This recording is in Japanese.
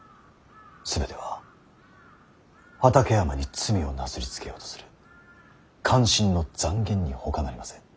全ては畠山に罪をなすりつけようとする奸臣の讒言にほかなりません。